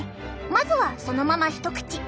まずはそのまま一口。